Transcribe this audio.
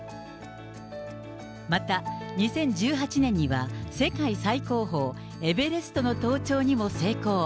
また、２０１８年には世界最高峰、エベレストの登頂にも成功。